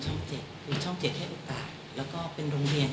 ช่องเจ็ดก็ช่องเจ็ดให้โอกาสแล้วก็เป็นโครงเรียนของ